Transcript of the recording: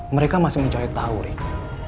mereka masih mencoyak tahu ricky